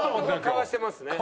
かわしてますね。